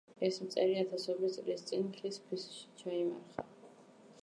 ეს მწერი ათასობით წლის წინ ხის ფისში ჩაიმარხა.